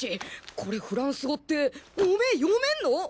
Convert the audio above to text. これフランス語ってオメエ読めんの？